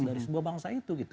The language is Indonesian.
dari sebuah bangsa itu gitu